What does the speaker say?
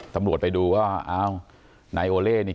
ตำรวจไปดูก็อ้าวนายโอเล่นี่